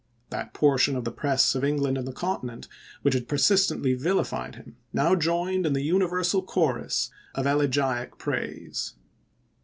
That portion of the press of England and the Continent which had persistently vilified him now joined in the universal chorus of elegiac praise.